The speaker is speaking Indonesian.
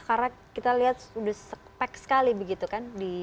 karena kita lihat sudah sepek sekali begitu kan